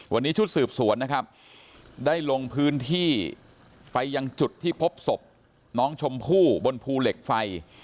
วันนี้ชุดสืบสวนนะครับได้ลงพื้นที่ไปยังจุดที่พบศพน้องชมพู่บนภูเหล็กไฟ